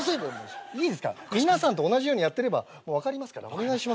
皆さんと同じようにやってれば分かりますからお願いしますね。